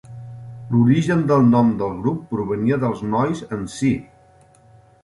L'origen del nom del grup provenia dels nois en si.